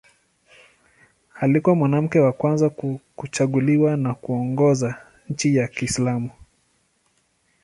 Alikuwa mwanamke wa kwanza kuchaguliwa na kuongoza nchi ya Kiislamu.